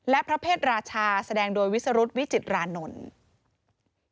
และพระเพศราชาแสดงโดยวิสรุธวิจิตรานนท์